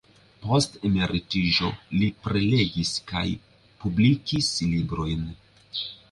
Post emeritiĝo li prelegis kaj publikis librojn.